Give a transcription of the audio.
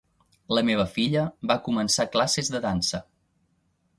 La meva filla vol començar classes de dansa.